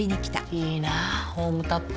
いいなホームタップ。